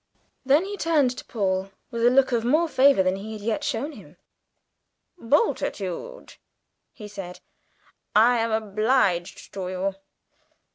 Then he turned to Paul with a look of more favour than he had yet shown him. "Bultitude," he said, "I am obliged to you.